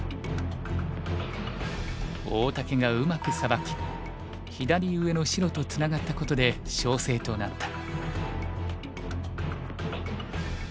大竹がうまくサバき左上の白とツナがったことで勝勢となった。